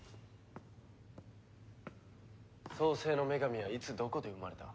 創世の女神はいつどこで生まれた？